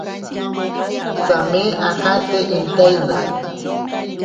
Tsame ajate intaina.